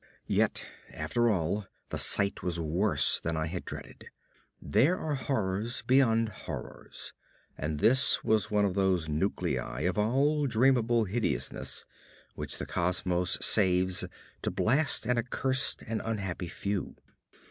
Yet after all, the sight was worse than I had dreaded. There are horrors beyond horrors, and this was one of those nuclei of all dreamable hideousness which the cosmos saves to blast an accursed and unhappy few.